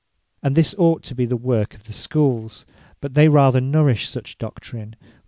And this ought to be the work of the Schooles; but they rather nourish such doctrine.